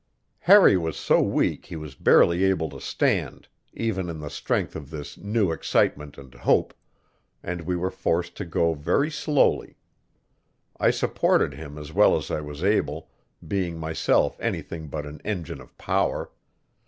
Harry was so weak he was barely able to stand, even in the strength of this new excitement and hope, and we were forced to go very slowly; I supported him as well as I was able, being myself anything but an engine of power.